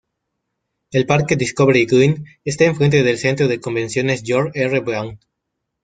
El parque Discovery Green está en frente del Centro de Convenciones George R. Brown.